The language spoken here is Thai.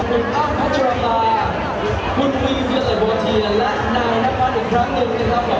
คุณอ้าวมัชราบาคุณวิเวียและบอเทียและนายน้ำมันอีกครั้งหนึ่งนะครับ